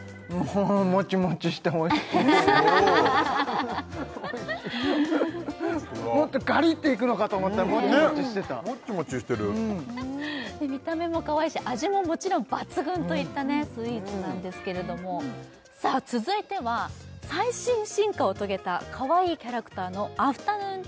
ふふふおいしいもっとガリッていくのかと思ったらモチモチしてたねっモッチモチしてる見た目もかわいいし味ももちろん抜群といったスイーツなんですけれどもさあ続いては最新進化を遂げたかわいいキャラクターのアフタヌーン